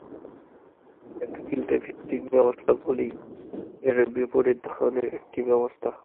এক চিলতে-ভিত্তিক ব্যবস্থাগুলি এর বিপরীত ধরনের একটি ব্যবস্থা।